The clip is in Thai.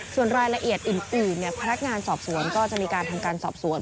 ส่วนรายละเอียดอื่นพนักงานสอบสวนก็จะมีการทำการสอบสวน